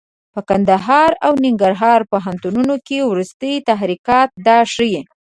په کندهار او ننګرهار پوهنتونونو کې وروستي تحرکات دا ښيي.